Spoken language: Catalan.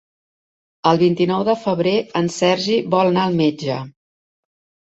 El vint-i-nou de febrer en Sergi vol anar al metge.